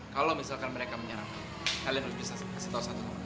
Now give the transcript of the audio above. kalo misalkan mereka menyerang kalian kalian harus bisa kasih tau satu kemana aja oke